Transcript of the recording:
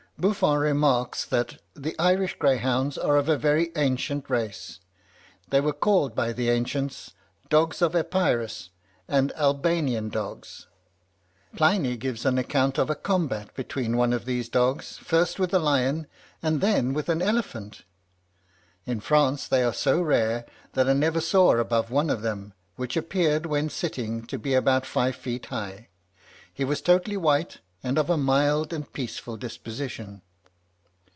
Buffon remarks that "the Irish greyhounds are of a very ancient race. They were called by the ancients, dogs of Epirus, and Albanian dogs. Pliny gives an account of a combat between one of these dogs, first with a lion, and then with an elephant. In France they are so rare, that I never saw above one of them, which appeared, when sitting, to be about five feet high. He was totally white, and of a mild and peaceable disposition."